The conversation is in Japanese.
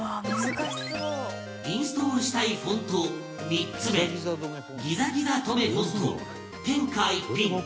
インストールしたいフォント３つ目ギザギザ止めフォント天下一品